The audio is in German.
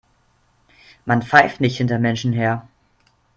Man pfeift nicht hinter Menschen her.